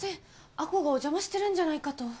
亜子がお邪魔してるんじゃないかと。